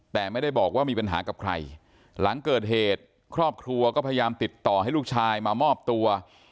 แต่ไม่ได้บอกว่ามีปัญหากับใครหลังเกิดเหตุครอบครัวก็พยายามติดต่อให้ลูกชายมามอบตัว